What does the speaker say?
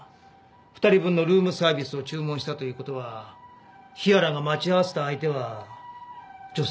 ２人分のルームサービスを注文したという事は日原が待ち合わせた相手は女性でしょう。